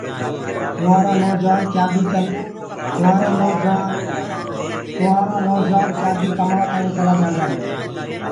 ڪنٚوُآرآ نوجوآن ڪيآئينٚ بي ڪمآوآ تآڻي چيلآ جآندآ هينٚ۔